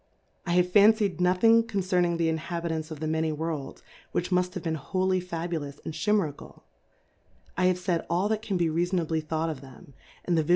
I have fane/ d nothing concerni?ig the Jnhalitants of the many Worlds, which mujtbave he en wholly Fabulous and Chi merical ; I have f aid all that can he rea fonably thought of them, and the ViJio?